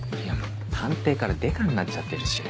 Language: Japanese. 探偵から刑事になっちゃってるし。